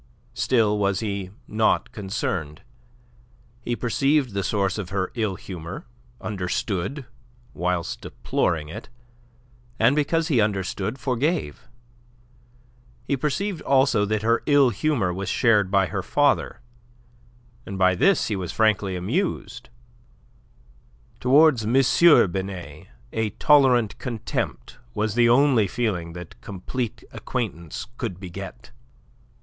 Still was he not concerned. He perceived the source of her ill humour; understood, whilst deploring it; and, because he understood, forgave. He perceived also that her ill humour was shared by her father, and by this he was frankly amused. Towards M. Binet a tolerant contempt was the only feeling that complete acquaintance could beget.